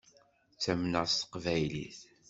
Ttamneɣ s teqbaylit.